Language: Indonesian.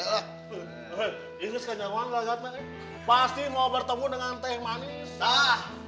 ini sekejauhan gak gatman